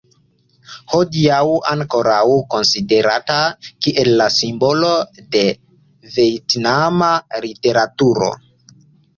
Hodiaŭ ankoraŭ konsiderata kiel la simbolo de vjetnama literaturo.